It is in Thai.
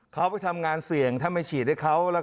เค้าไปทำงานเสี่ยงทำให้เฉียนให้เขาแล้ว